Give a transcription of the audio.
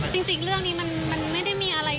จริงเรื่องนี้มันไม่ได้มีอะไร